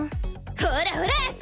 ほらほらっ！